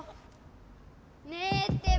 ねえってば。